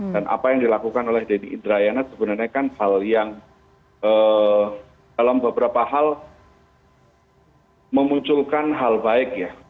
dan apa yang dilakukan oleh denny indrayana sebenarnya kan hal yang dalam beberapa hal memunculkan hal baik ya